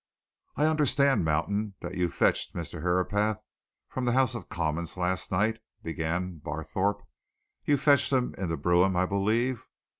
"I understand, Mountain, that you fetched Mr. Herapath from the House of Commons last night?" began Barthorpe. "You fetched him in the brougham, I believe?"